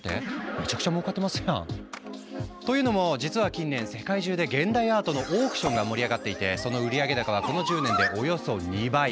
めちゃくちゃもうかってますやん！というのも実は近年世界中で現代アートのオークションが盛り上がっていてその売上高はこの１０年でおよそ２倍。